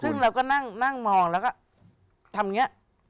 ซึ่งเราก็นั่งมองแล้วก็ทำอย่างนี้